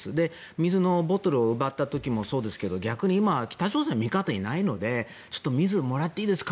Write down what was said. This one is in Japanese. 水のボトルを奪った時もそうですが逆に今北朝鮮の味方はいないので水をもらっていいですか？